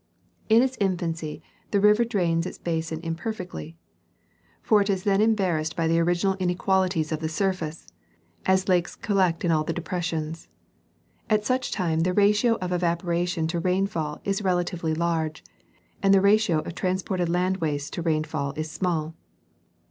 In its infancy, the river drains its basin imperfectly ; for it is then embarrassed by the original inequalities of the surface, and lakes collect in all the depressions. At such time, the ratio of evaporation to rainfall is relatively large, and the ratio of trans ported land waste to rainfall is small.